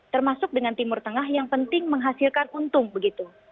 termasuk dengan timur tengah yang penting menghasilkan untung begitu